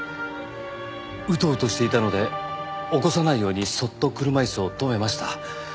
うとうとしていたので起こさないようにそっと車椅子を止めました。